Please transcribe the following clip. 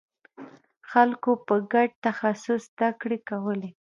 خلکو به ګډ تخصص زدکړې کولې.